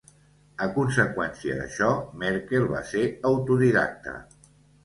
A conseqüència d'això, Merkel va ser autodidacta.